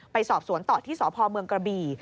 ไปสอบสวนต่อที่สพเมืองกระบี่